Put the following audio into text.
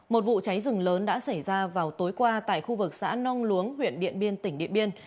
một vụ cháy rừng lớn đã xảy ra vào tối qua tại khu vực xã nong luống huyện điện biên tỉnh điện biên